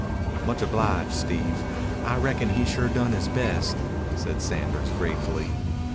"Much obliged, Steve. I reckon he sure done his best," said Sanders gratefully.